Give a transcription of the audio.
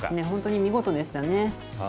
本当に見事でしたね。